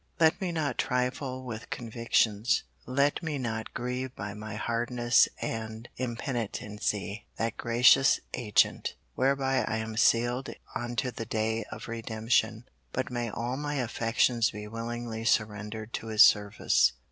Let me not trifle with convictions. Let me not grieve by my hardness and impenitency that gracious Agent, whereby I am sealed unto the day of redemption; but may all my affections be willingly surrendered to His service.